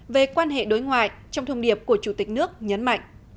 về quan hệ đối ngoại trong thông điệp của chủ tịch nước nhấn mạnh